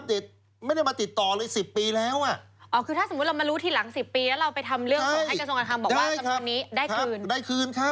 บอกว่าบัญชีนี้นี่นี่มันของเขา